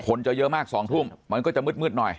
คนจะเยอะมาก๒ทุ่มมันก็จะมืดหน่อย